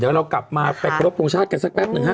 เดี๋ยวเรากลับมาไปครบทรงชาติกันสักแป๊บหนึ่งฮะ